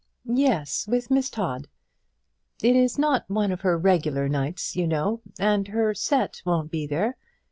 "Yes, with Miss Todd. It is not one of her regular nights, you know, and her set won't be there.